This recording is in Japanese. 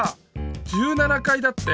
１７かいだって。